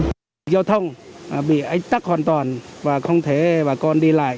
giao thông bị ách tắc hoàn toàn và không thể bà con đi lại